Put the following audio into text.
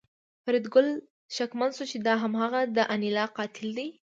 فریدګل شکمن شو چې دا هماغه د انیلا قاتل دی